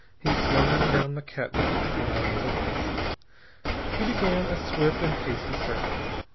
He swung down the catwalk painted on the wings. He began a swift and hasty survey.